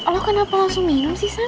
loh kenapa langsung minum sih sam